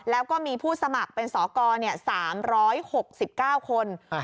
แล้วก็มีผู้สมัครเป็นสเนี้ยสามร้อยหกสิบเก้าคนอ่าฮะ